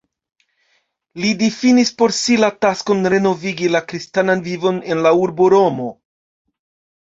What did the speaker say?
Li difinis por si la taskon renovigi la kristanan vivon en la urbo Romo.